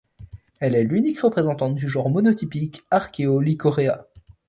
Elle est l'unique représentante du genre monotypique Archaeolycorea.